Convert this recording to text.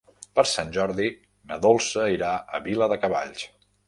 Per Sant Jordi na Dolça irà a Viladecavalls.